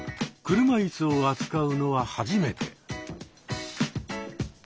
車いすを扱うのは初めて。